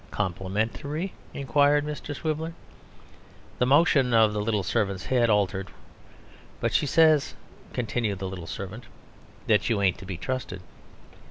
"'Complimentary?' inquired Mr. Swiveller. The motion of the little servant's head altered.... 'But she says,' continued the little servant, 'that you ain't to be trusted.'